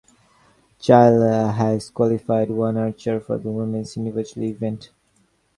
Chile has qualified one archer for the women's individual event.